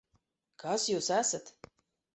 Kas Jūs esat?